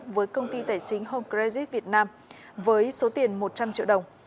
với công ty tài chính home credit việt nam với số tiền một trăm linh triệu đồng